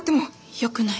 よくない。